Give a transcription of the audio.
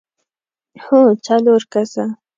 هو، څلور کسه!